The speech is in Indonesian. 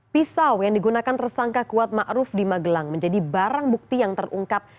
pisau yang digunakan tersangka kuat ma'ruf di magelang menjadi barang bukti yang terungkap